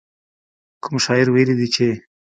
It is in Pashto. کوم شاعر ويلي دي چې.